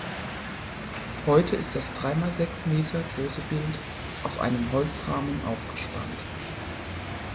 Heute ist das drei mal sechs Meter große Bild auf einem Holzrahmen aufgespannt.